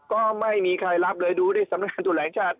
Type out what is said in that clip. ก็ไม่มีใครรับเลยดูที่สำนักงานตรวจแห่งชาติ